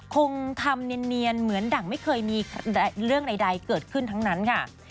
คงทำเนียนเหมือนดั่งไม่เคยมีเรื่องใดเกิดขึ้นทั้งนั้นค่ะ